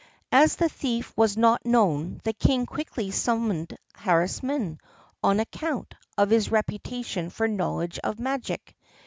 As the thief was not known, the king quickly summoned Harisarman on account of his reputation for knowledge of magic.